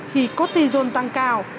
khi cortisone tăng cao